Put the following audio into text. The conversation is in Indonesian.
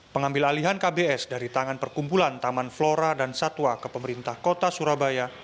pengambil alihan kbs dari tangan perkumpulan taman flora dan satwa ke pemerintah kota surabaya